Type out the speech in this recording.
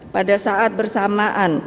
pada saat bersamaan